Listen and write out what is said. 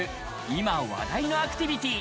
今話題のアクティビティー。